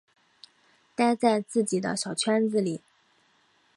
待在自己的小圈子里